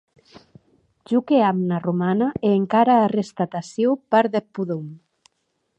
Jo qu’è amna romana, e encara a restat aciu part deth podom.